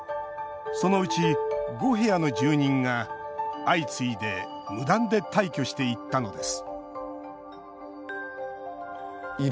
そのうち、５部屋の住人が相次いで無断で退去していったのです